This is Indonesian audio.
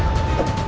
aku mau makan